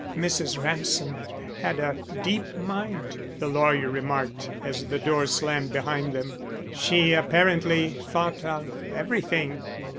"Mrs. Ransom had a deep mind," the lawyer remarked, as the door slammed behind them. "She apparently thought of everything."